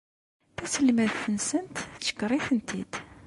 Taselmadt-nsent teckeṛ-itent-id.